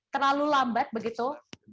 terlalu lambat begitu